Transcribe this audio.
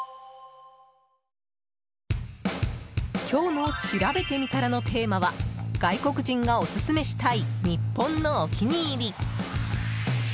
今日のしらべてみたらのテーマは外国人がオススメしたい日本のお気に入り。